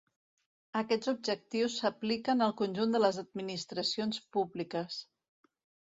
Aquests objectius s'apliquen al conjunt de les administracions públiques.